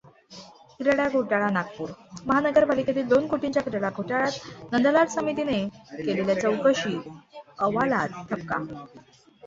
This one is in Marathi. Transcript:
क्रीडा घोटाळा नागपूर महापालिकेतील दोन कोटींच्या क्रीडा घोटाळ्यात नंदलाल समितीने केलेल्या चौकशी अवालात ठपका.